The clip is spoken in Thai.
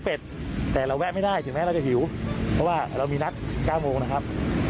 เพราะว่าเรามีนัด๙โมงนะครับ